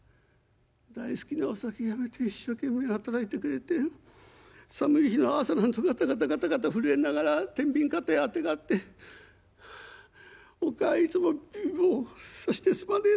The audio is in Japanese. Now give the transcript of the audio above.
大好きなお酒やめて一生懸命働いてくれて寒い日の朝なんぞガタガタガタガタ震えながら天秤肩へあてがって『おっかあいつも貧乏さしてすまねえ。